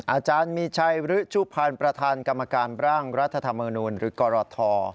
อาจารย์มีชัยฤชุพันธ์ประธานกรรมการร่างรัฐธรรมนูลหรือกรท